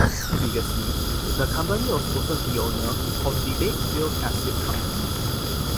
Previously the company was also the owner of the Batesville Casket Company.